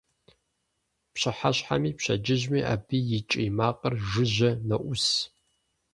Пщыхьэщхьэми пщэдджыжьми абы и кӀий макъыр жыжьэ ноӀус.